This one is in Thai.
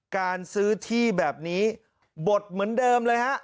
การซื้อที่แบบนี้บดเหมือนเดิมเลยฮะ